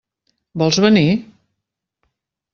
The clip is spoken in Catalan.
Vols venir?